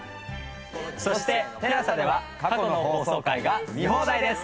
そしてＴＥＬＡＳＡでは過去の放送回が見放題です。